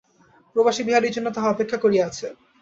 প্রবাসী বিহারীর জন্য তাহা অপেক্ষা করিয়া আছে।